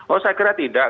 oh saya kira tidak